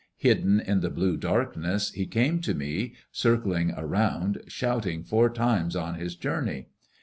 Hidden in the blue darkness, he came to me, circling around, shouting, four times on his journey.